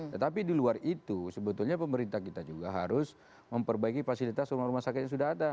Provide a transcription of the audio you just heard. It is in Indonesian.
tetapi di luar itu sebetulnya pemerintah kita juga harus memperbaiki fasilitas rumah rumah sakit yang sudah ada